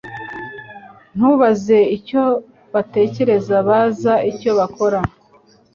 Ntubaze icyo batekereza Baza icyo bakora